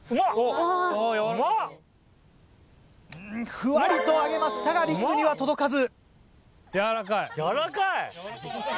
ふわりと上げましたがリングには届かず。